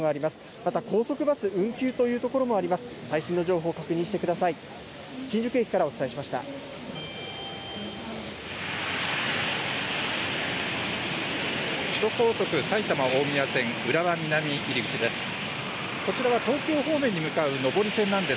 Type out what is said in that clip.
また高速バス運休というところもあります。